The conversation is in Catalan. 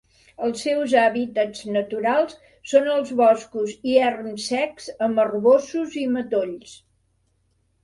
Els seus hàbitats naturals són els boscos i erms secs amb arboços i matolls.